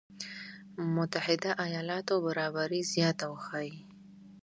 متحده ایالاتو برابري زياته وښيي.